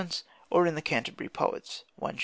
or in the "Canterbury Poets" (1s.).